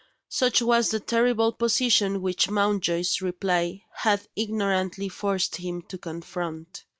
Such was the terrible position which Mountjoy's reply had ignorantly forced him to confront.